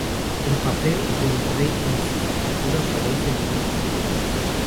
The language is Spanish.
El papel del rey en su sepultura parece menos oscuro.